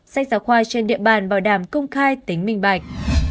sách giáo khoa trên địa bàn bảo đảm công khai tính minh bạch